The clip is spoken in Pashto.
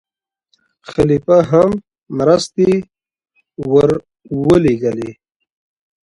خلیفه هم مرستې ورولېږلې.